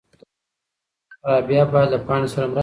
رابعه باید له پاڼې سره مرسته وکړي.